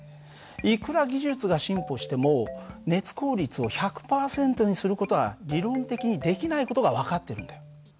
いくら技術が進歩しても熱効率を１００％にする事は理論的にできない事が分かってるんだよ。